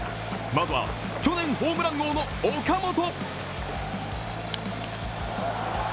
まずは去年ホームラン王の岡本！